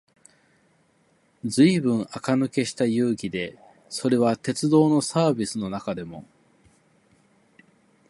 ずいぶん垢抜けのした遊戯で、それは鉄道のサーヴィスの中でも、